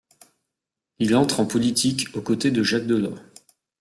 Il entre en politique aux côtés de Jacques Delors.